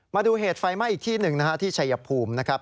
มาดูเหตุไฟไหม้อีกที่หนึ่งนะฮะที่ชัยภูมินะครับ